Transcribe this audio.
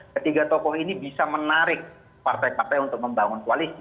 ketiga tokoh ini bisa menarik partai partai untuk membangun koalisi